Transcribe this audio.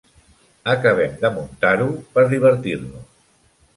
Acabem de muntar-ho per divertir-nos.